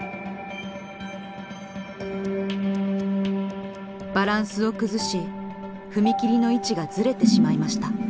バランスを崩し踏み切りの位置がずれてしまいました。